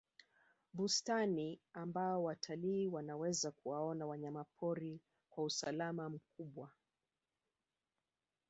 bustani ambayo watalii wanaweza kuwaona wanyamapori kwa usalama mkubwa